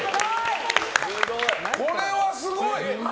これはすごい！